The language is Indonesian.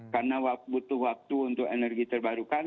karena butuh waktu untuk energi terbarukan